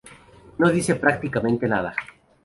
No dice prácticamente nada!